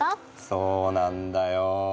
そうなんだよ。